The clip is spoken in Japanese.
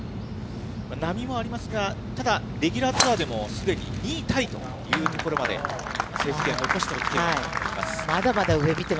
波もありますが、ただ、レギュラーツアーでも、すでに２位タイというところまで成績を残してきています。